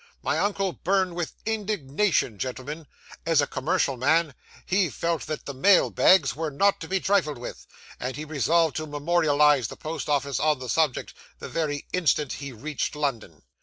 My uncle burned with indignation, gentlemen. As a commercial man, he felt that the mail bags were not to be trifled with, and he resolved to memorialise the Post Office on the subject, the very instant he reached London.